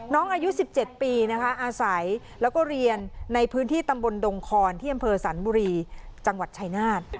น้องอายุ๑๗ปีนะคะอาศัยแล้วก็เรียนในพื้นที่ตำบลดงคอนที่อำเภอสันบุรีจังหวัดชายนาฏ